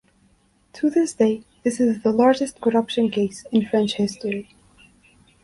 To this day, this is the largest corruption case in French history.